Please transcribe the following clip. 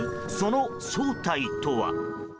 その正体とは。